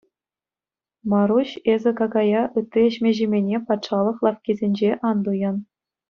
Маруҫ, эсӗ какая, ытти ӗҫме-ҫимене патшалӑх лавккисенче ан туян.